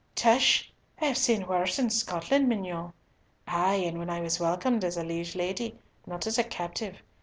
"Tush! I have seen worse in Scotland, mignonne, ay and when I was welcomed as liege lady, not as a captive.